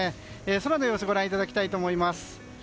空の様子ご覧いただきたいと思います。